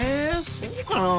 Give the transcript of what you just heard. そうかなあ？